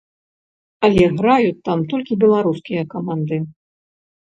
Але граюць там толькі беларускія каманды.